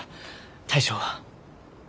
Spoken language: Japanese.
大将は？